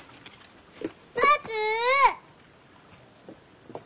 待つ！